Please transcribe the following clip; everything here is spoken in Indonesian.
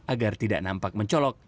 agar tidak nampak mencolok